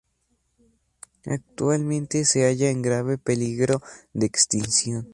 Actualmente se halla en grave peligro de extinción.